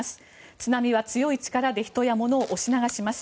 津波は強い力で人や物を押し流します。